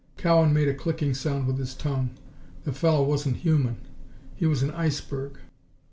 Cowan made a clicking sound with his tongue. The fellow wasn't human; he was an iceberg!